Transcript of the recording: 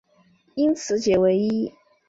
因此解唯一。